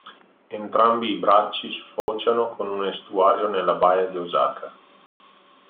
Entrambi i bracci sfociano con un estuario nella baia di Osaka.